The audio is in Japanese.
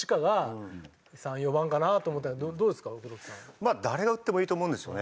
まあ誰が打ってもいいと思うんですよね。